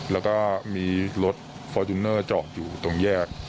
แล้วก็มีรถฟอร์จูเนอร์จอดอยู่ตรงแยก